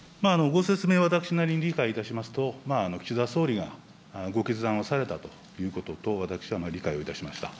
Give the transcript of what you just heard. ご説明、私なりに理解いたしますと、岸田総理がご決断をされたということと、私は理解をいたしました。